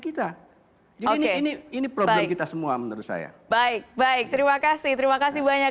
kita ini ini problem kita semua menurut saya baik baik terima kasih terima kasih banyak